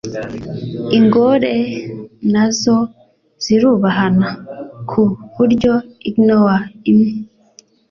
Ingore na zo zirubahana ku buryo ignore imwe